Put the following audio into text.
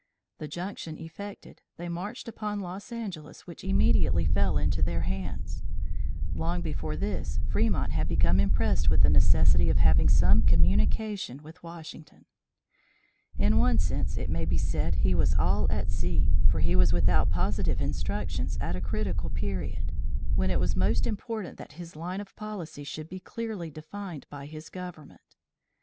The junction effected, they marched upon Los Angeles which immediately fell into their hands. Long before this, Fremont had become impressed with the necessity of having some communication with Washington. In one sense it may be said he was all at sea, for he was without positive instructions, at a critical period, when it was most important that his line of policy should be clearly defined by his government.